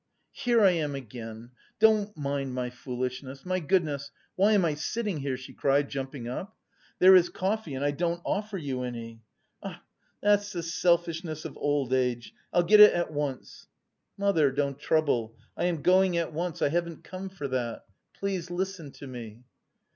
"Here I am again! Don't mind my foolishness. My goodness, why am I sitting here?" she cried, jumping up. "There is coffee and I don't offer you any. Ah, that's the selfishness of old age. I'll get it at once!" "Mother, don't trouble, I am going at once. I haven't come for that. Please listen to me."